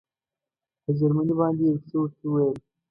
په جرمني باندې یې یو څه ورته وویل.